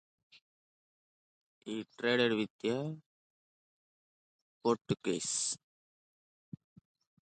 He traded with the Portuguese.